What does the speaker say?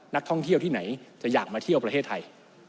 นักท่องเที่ยวที่ไหนจะอยากมาเที่ยวประเทศไทย